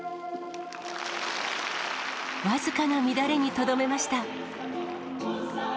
僅かな乱れにとどめました。